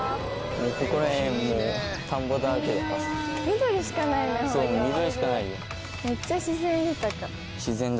緑しかないよ。